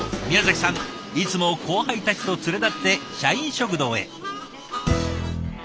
宮崎さんいつも後輩たちと連れ立って社員食堂へ。